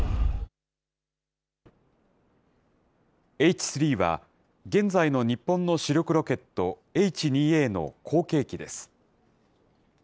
Ｈ３は、現在の日本の主力ロケット、Ｈ２Ａの後継機です。